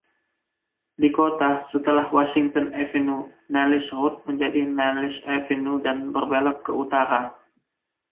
Di kota, setelah Washington Avenue, Niles Road menjadi Niles Avenue dan berbelok ke utara.